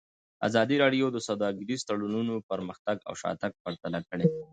ازادي راډیو د سوداګریز تړونونه پرمختګ او شاتګ پرتله کړی.